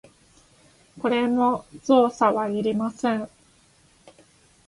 これも造作はいりません。